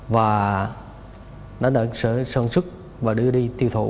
và đã đợi sở sân sức và đưa đi tiêu thụ